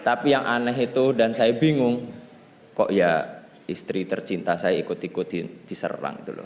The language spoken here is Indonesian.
tapi yang aneh itu dan saya bingung kok ya istri tercinta saya ikut ikut diserang gitu loh